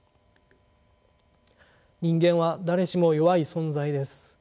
人間は誰しも弱い存在です。